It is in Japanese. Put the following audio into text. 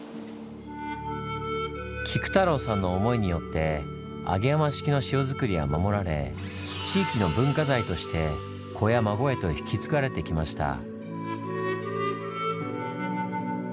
菊太郎さんの思いによって揚浜式の塩作りは守られ地域の文化財として子や孫へと引き継がれてきました。